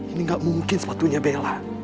ini gak mungkin sepatunya bela